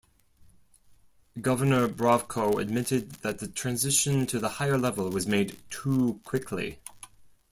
Governor Brovko admitted that the transition to the higher level was made too quickly.